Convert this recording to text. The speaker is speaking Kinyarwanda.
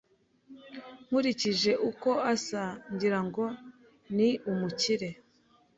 Nkurikije uko asa, ngira ngo ni umukire.